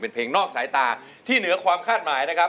เป็นเพลงนอกสายตาที่เหนือความคาดหมายนะครับ